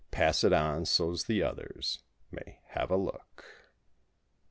Pass it on so's the others may have a look.